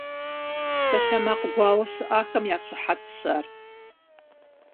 Псалъэмакъ гуауэ щыӏахэм я щыхьэтщ ар.